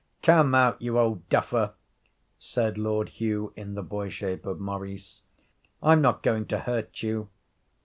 'Come out, you old duffer,' said Lord Hugh in the boy shape of Maurice. 'I'm not going to hurt you.'